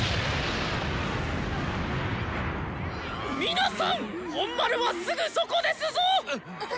皆さん本丸はすぐそこですぞ！